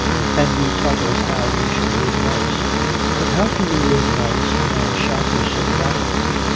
"And you taught us how we should live nice. But how can we live nice when our shop is so rotten?